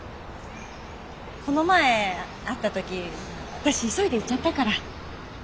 この前会った時私急いで行っちゃったから。